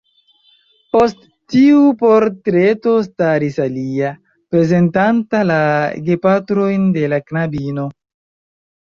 Post tiu portreto staris alia, prezentanta la gepatrojn de la knabino.